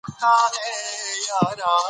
سیاسي رقابت باید سالم وي